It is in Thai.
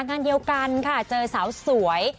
งานเดียวกันค่ะเจอสาวสวย